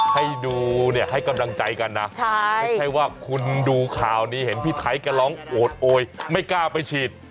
ให้ดูเนี่ยให้กำลังใจกันนะไม่ใช่ว่าคุณดูข่าวนี้เห็นพี่ไทยแกร้องโอดโอยไม่กล้าไปฉีด